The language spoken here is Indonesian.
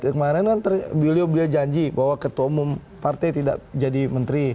kemarin kan beliau janji bahwa ketua umum partai tidak jadi menteri